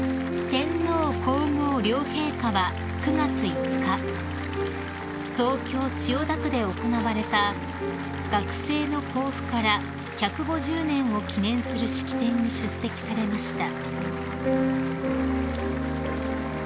［天皇皇后両陛下は９月５日東京千代田区で行われた学制の公布から１５０年を記念する式典に出席されました］